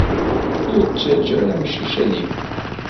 Ur ttaǧa ara amcic ad yeffeɣ.